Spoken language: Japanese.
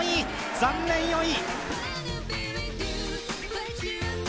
残念、４位！